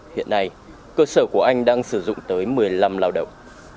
hiện nay cơ sở của anh đang sử dụng tới một mươi năm lao động